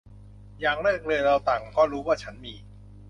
อย่างแรกเลย เราต่างก็รู้ว่าฉันมี